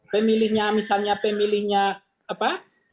pemilihnya misalnya pemilihnya apa